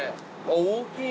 大きい。